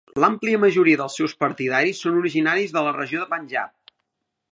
L'àmplia majoria dels seus partidaris són originaris de la regió del Panjab.